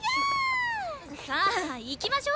さあ行きましょ！